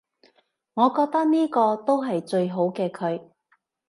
我覺得呢個都係最好嘅佢